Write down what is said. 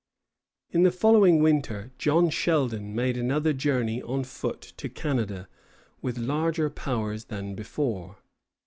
In the following winter John Sheldon made another journey on foot to Canada, with larger powers than before.